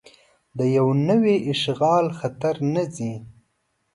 د یو نوي اشغال خطر نه ځي.